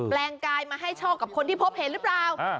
ลงกายมาให้โชคกับคนที่พบเห็นหรือเปล่า